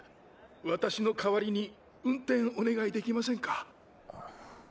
私の代わりに運転お願いできませんか？